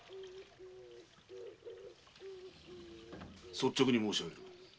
率直に申しあげる。